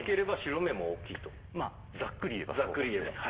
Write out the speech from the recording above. まあざっくり言えばそうです。